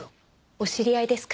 お知り合いですか？